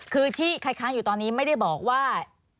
คือที่ใครค้างอยู่ตอนนี้ไม่ได้บอกว่า